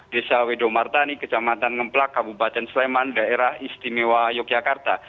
desa wedomartani kejamatan ngemplak kabupaten sleman daerah istimewa yogyakarta